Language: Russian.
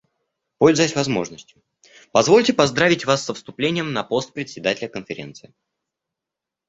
Пользуясь возможностью, позвольте поздравить Вас со вступлением на пост Председателя Конференции.